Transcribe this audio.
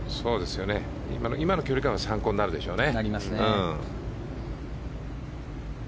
今の距離感は参考になるでしょうね。